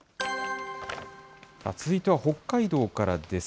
続いては北海道からです。